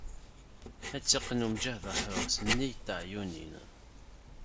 Ad tt-iqqen umjahed aḥrur, s nnig n teɛyunin.